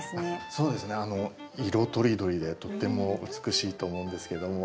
色とりどりでとっても美しいと思うんですけども。